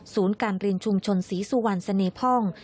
ศูนย์การเรียนชุมชนศรีสุวรรณสเนพร่อง